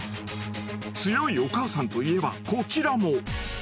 強いお母さんといえばこちらも。